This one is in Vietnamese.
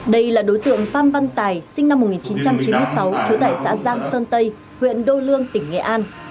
đây là đối tượng phan văn tài sinh năm một nghìn chín trăm chín mươi sáu trú tại xã giang sơn tây huyện đô lương tỉnh nghệ an